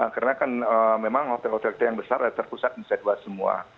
karena kan memang hotel hotel kita yang besar terpusat nusa dua semua